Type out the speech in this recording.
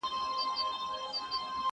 یو ږغ دی چي په خوب که مي په ویښه اورېدلی!!